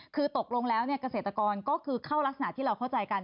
คือตกลงแล้วเกษตรกรก็คือเข้ารักษณะที่เราเข้าใจกัน